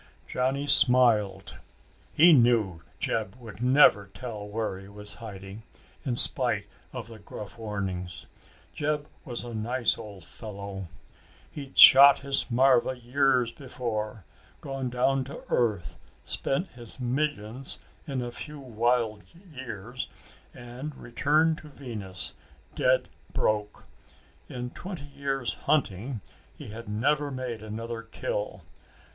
Johnny smiled. He knew Jeb would never tell where he was hiding, in spite of the gruff warnings. Jeb was a nice old fellow. He'd shot his marva years before, gone down to earth, spent his millions in a few wild years and returned to Venus dead broke. In twenty years hunting he had never made another kill.